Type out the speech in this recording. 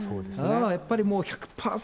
やっぱりもう１００％